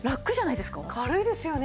軽いですよね。